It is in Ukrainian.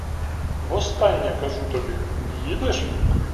Востаннє кажу тобі — їдеш?